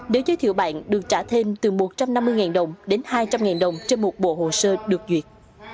nếu giới thiệu bạn được trả thêm từ một trăm năm mươi đồng đến hai trăm linh đồng trên một bộ hồ sơ được duyệt